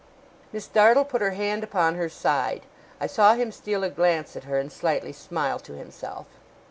Miss Dartle put her hand upon her side. I saw him steal a glance at her, and slightly smile to himself.